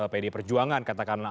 pdi perjuangan katakanlah